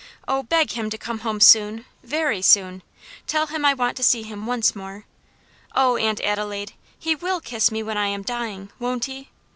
"Oh! beg him to come home soon, very soon; tell him I want to see him once more. Oh, Aunt Adelaide, he will kiss me when I am dying, won't he?